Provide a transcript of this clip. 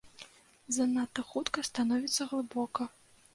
Занадта хутка становіцца глыбока.